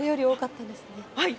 はい。